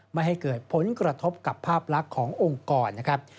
ไม่ให้เกิดผลกระทบกับภาพลักษณ์ขององค์กรนะครับ